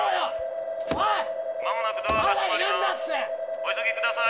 お急ぎください。